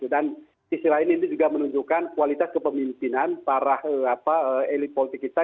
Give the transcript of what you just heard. dan istilah ini juga menunjukkan kualitas kepemimpinan para elit politik kita